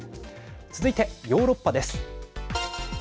続いて、ヨーロッパです。